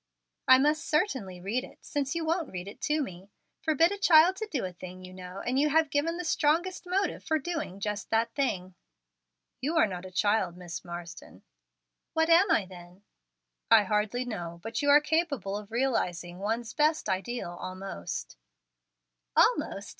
"I must certainly read it, since you won't read it to me. Forbid a child to do a thing, you know, and you have given the strongest motive for doing just that thing." "You are not a child, Miss Marsden." "What am I, then?" "I hardly know; but you are capable of realizing one's best ideal, almost." "Almost!